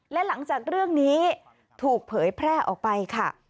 และหลังจากเรื่องนี้ถูกเผยแพร่ออกไปค่ะ